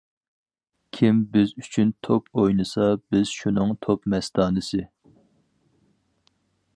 كىم بىز ئۈچۈن توپ ئوينىسا بىز شۇنىڭ توپ مەستانىسى!